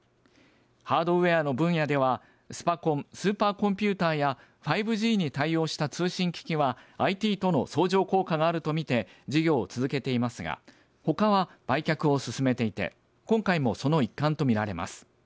ハードウエアの分野ではスパコン＝スーパーコンピューターや５Ｇに対応した通信機器はＩＴとの相乗効果もあるとみて事業を続けていますがほかは、売却を進めていて今回もその一環と見られます。